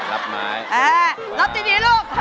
รับไม้